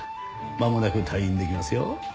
まもなく退院できますよ。